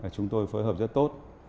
chúng tôi phối hợp rất tốt